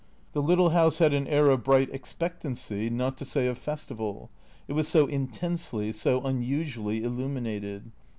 The little house had an air of bright expectancy, not to say of festival; it was so intensely, so unusually illuminated.